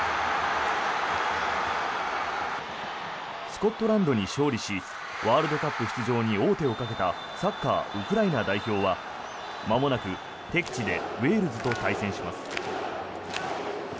スコットランドに勝利しワールドカップ出場に王手をかけたサッカーウクライナ代表はまもなく敵地でウェールズと対戦します。